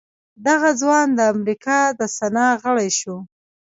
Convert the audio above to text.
دغه ځوان د امريکا د سنا غړی شو.